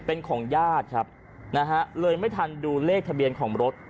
เป็นของญาติครับนะฮะเลยไม่ทันดูเลขทะเบียนของรถ